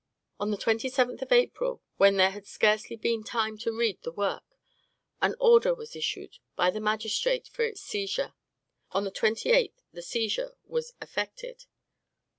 On the 27th of April, when there had scarcely been time to read the work, an order was issued by the magistrate for its seizure; on the 28th the seizure was effected.